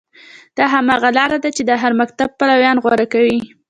دا هماغه لاره ده چې د هر مکتب پلویان غوره کوي.